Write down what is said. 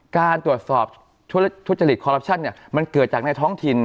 การตรวจสอบทุจริตคอรัปชั่นมันเกิดจากในท้องถิ่น